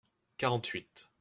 Quarante-huit.